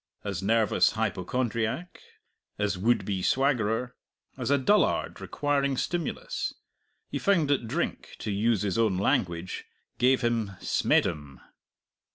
As nervous hypochondriac, as would be swaggerer, as a dullard requiring stimulus, he found that drink, to use his own language, gave him "smeddum."